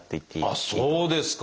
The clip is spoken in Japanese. あっそうですか！